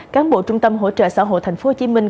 cán bộ trung tâm hỗ trợ xã hội thành phố hồ chí minh